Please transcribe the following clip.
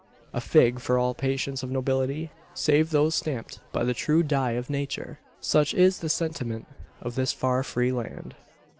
A fig for all patents of nobility save those stamped by the true die of Nature! Such is the sentiment of this far free land.